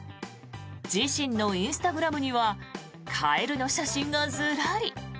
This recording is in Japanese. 自身のインスタグラムにはカエルの写真がずらり。